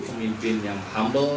pemimpin yang humble